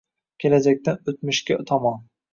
kelajakdan oʼtmishga tomon